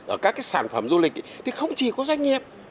ở các cái sản phẩm du lịch thì không chỉ có doanh nghiệp